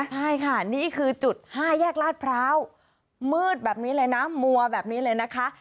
ใช่ค่ะนี่คือจุด๕แยกลาดพร้าวมืดแบบนี้เลยนะมัวแบบนี้เลยนะคะ